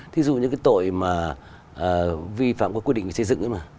thí dụ như cái tội mà vi phạm quyết định xây dựng